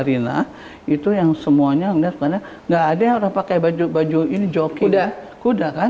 itu yang semuanya enggak ada yang pakai baju baju ini joknya udah udah kan